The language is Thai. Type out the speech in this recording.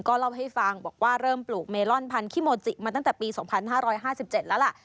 เล่าให้ฟังบอกว่าเริ่มปลูกเมลอนพันธีโมจิมาตั้งแต่ปี๒๕๕๗แล้วล่ะ